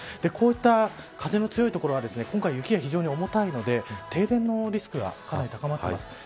こういった風の強い所は今回、雪が非常に重たいので停電のリスクがかなり高まっています。